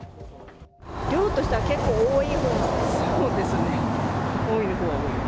量としては結構多いほうなんですか？